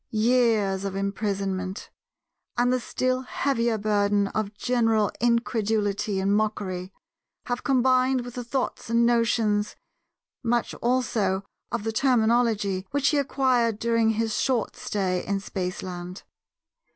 Years of imprisonment, and the still heavier burden of general incredulity and mockery, have combined with the thoughts and notions, and much also of the terminology, which he acquired during his short stay in spaceland.